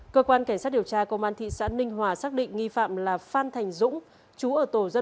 cơ quan cảnh sát điều tra công an thị xã ninh hòa xác định nghi phạm là phan thành dũng